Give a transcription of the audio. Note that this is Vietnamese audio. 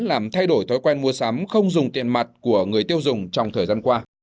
làm thay đổi thói quen mua sắm không dùng tiền mặt của người tiêu dùng trong thời gian qua